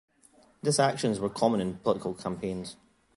This actions were common in political campaigns.